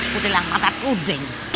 putih langka tak udeng